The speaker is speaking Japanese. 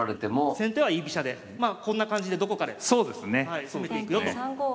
先手は居飛車でまあこんな感じでどこかで攻めていくよと。